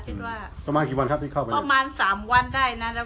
กลับมาที่สุดท้ายมีกลุ่มกลับมาที่สุดท้าย